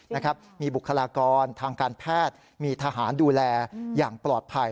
นะครับมีบุคลากรทางการแพทย์มีทหารดูแลอย่างปลอดภัย